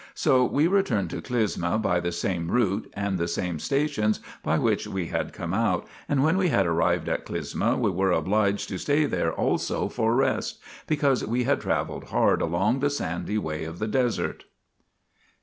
1 So we returned to Clysma by the same route and the same stations by which we had come out, and when we had arrived at Clysma we were obliged to stay there also for rest, because we had travelled hard along the sandy way of the desert.